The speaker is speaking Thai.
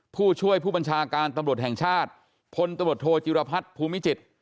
ผู้ช่วยผู้บัญชาการตำรวจแห่งชาติพลตำรวจโทจิรพัฒน์ภูมิจิตร